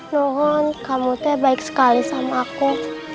mohon kamu baik sekali dengan aku